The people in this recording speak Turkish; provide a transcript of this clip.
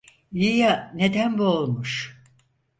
İyi ya, neden boğulmuş?